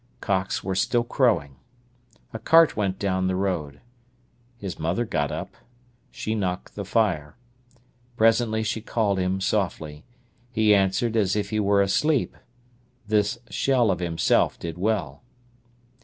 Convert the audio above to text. Cocks were still crowing. A cart went down the road. His mother got up. She knocked the fire. Presently she called him softly. He answered as if he were asleep. This shell of himself did well.